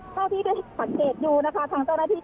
เท่าที่ก็หักเกรดอยู่นะคะทางเจ้าหน้าที่๙